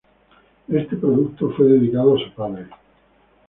Este producto fue dedicado a su padre.